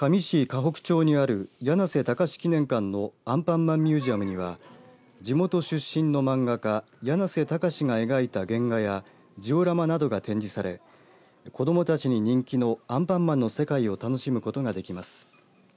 香北町にあるやなせたかし記念館のアンパンマンミュージアムには地元出身の漫画家やなせたかしが描いた原画やジオラマなどが展示され子どもたちに人気のアンパンマンの世界を楽しむことができます。